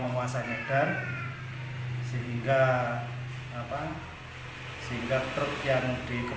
menguasai medan sehingga apa sehingga truk yang dikepunyikan tidak dapat menguasainya guna proses